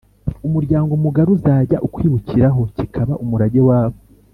umuryango mugari uzajya ukwibukiraho, kikaba umurage wabo